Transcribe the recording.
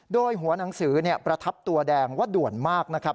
โดยหัวหนังสือประทับตัวแดงว่าด่วนมากนะครับ